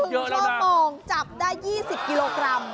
๑ชั่วโมงจับได้๒๐กิโลกรัม